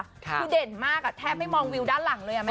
คือเด่นมากแทบไม่มองวิวด้านหลังเลย